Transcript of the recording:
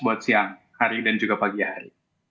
buat siang hari dan juga pagi hari